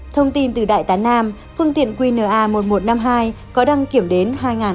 thông tin từ đại tá nam phương tiện qna một nghìn một trăm năm mươi hai có đăng kiểm đến hai nghìn hai mươi